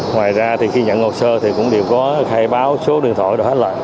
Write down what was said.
ngoài ra thì khi nhận ngộ sơ thì cũng đều có khai báo số điện thoại đồ hát loại